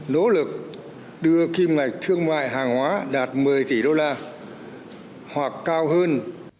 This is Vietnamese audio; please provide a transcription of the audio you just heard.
nỗ lực đưa kim ngạch thương mại hàng hóa đạt một mươi tỷ đô la hoặc cao hơn